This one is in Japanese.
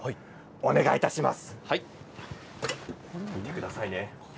お願いいたします。